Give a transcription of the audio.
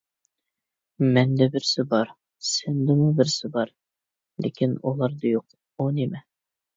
مەندە بىرسى بار، سەندىمۇ بىرسى بار، لېكىن ئۇلاردا يوق. ئۇ نېمە؟